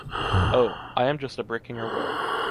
Oh, I am just a brick in your wall.